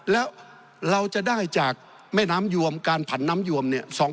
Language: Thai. แล้วเราจะได้จากแม่น้ำยวมการผันน้ำยวมเนี่ย